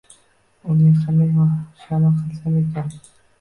Unga qanday sha`ma qilsam ekan